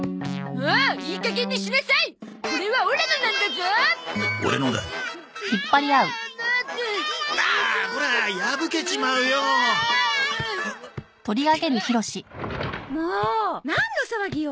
もうなんの騒ぎよ！